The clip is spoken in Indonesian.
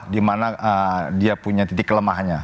di mana dia punya titik kelemahannya